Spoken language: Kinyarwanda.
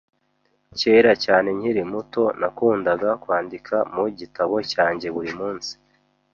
Kera cyane nkiri muto, nakundaga kwandika mu gitabo cyanjye buri munsi.